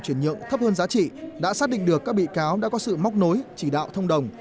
chuyển nhượng thấp hơn giá trị đã xác định được các bị cáo đã có sự móc nối chỉ đạo thông đồng